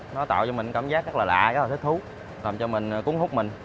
nó tạo cho mình cảm giác rất là lạ rất là thích thú làm cho mình cuốn hút mình